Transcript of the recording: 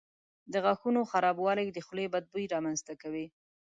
د غاښونو خرابوالی د خولې بد بوی رامنځته کوي.